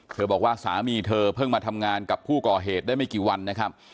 บอกว่าสามีเธอเพิ่งมาทำงานกับผู้ก่อเหตุได้ไม่กี่วันนะครับ